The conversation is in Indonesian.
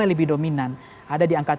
lebih dominan ada di angka